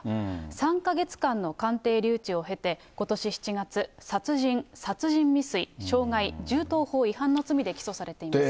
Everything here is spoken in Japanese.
３か月間の鑑定留置を経て、ことし７月、殺人、殺人未遂、傷害、銃刀法違反の罪で起訴されています。